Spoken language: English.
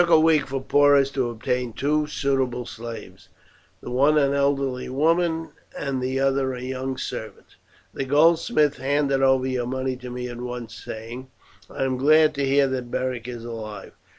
"It took a week for Porus to obtain two suitable slaves the one an elderly woman and the other a young servant. "The goldsmith handed over your money to me at once, saying, 'I am glad to hear that Beric is alive.